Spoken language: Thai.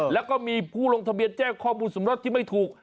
แล้วก็มีผู้ลงทะเบียนแจ้งข้อมูลสมรสที่ไม่ถูก